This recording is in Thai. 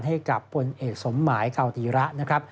ให้กับพลเอกสมหมายคาวตีระนะครับ